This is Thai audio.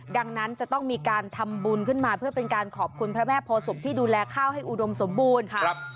ดังนั้นจะต้องมีการทำบุญขึ้นมาเพื่อเป็นการขอบคุณพระแม่โพศพที่ดูแลข้าวให้อุดมสมบูรณ์ค่ะ